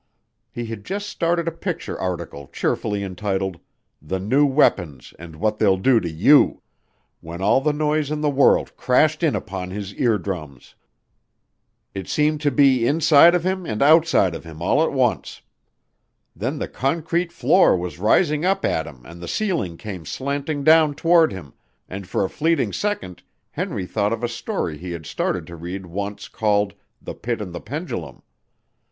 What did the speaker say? He had just started a picture article cheerfully entitled "The New Weapons and What They'll Do To YOU", when all the noise in the world crashed in upon his ear drums. It seemed to be inside of him and outside of him all at once. Then the concrete floor was rising up at him and the ceiling came slanting down toward him, and for a fleeting second Henry thought of a story he had started to read once called "The Pit and The Pendulum".